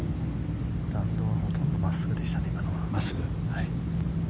弾道はほとんど真っすぐでしたね。